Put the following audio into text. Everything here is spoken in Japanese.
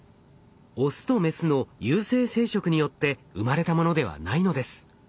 オスとメスの有性生殖によって生まれたものではないのです。